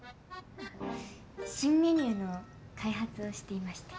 新メニューの開発をしていまして。